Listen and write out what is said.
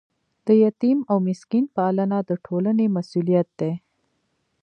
د یتیم او مسکین پالنه د ټولنې مسؤلیت دی.